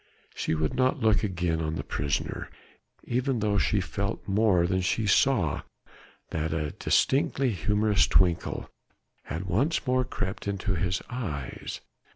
She would not look again on the prisoner, even though she felt more than she saw, that a distinctly humorous twinkle had once more crept into his eyes.